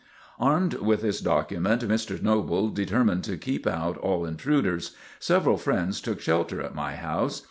Armed with this document, Mr. Noble determined to keep out all intruders. Several friends took shelter at my house.